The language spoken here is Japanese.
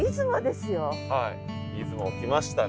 出雲来ましたね。